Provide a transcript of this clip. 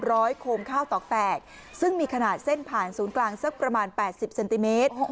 โคมข้าวตอกแตกซึ่งมีขนาดเส้นผ่านศูนย์กลางสักประมาณ๘๐เซนติเมตร